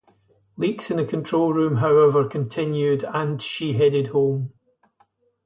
Leaks in the control room, however, continued, and she headed home.